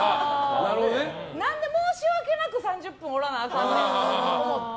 何で申し訳なく３０分おらなあかんねんって思って。